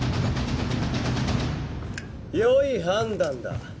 よい判断だ。